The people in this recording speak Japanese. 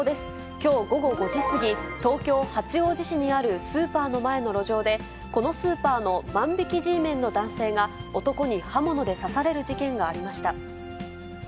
きょう午後５時過ぎ、東京・八王子市にあるスーパーの前の路上で、このスーパーの万引きＧメンの男性が、男に刃物で刺される事件がありました。